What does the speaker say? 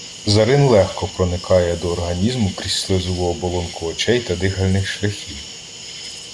Зарин легко проникає до організму крізь слизову оболонку очей та дихальних шляхів.